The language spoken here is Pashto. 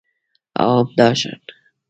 او همداشان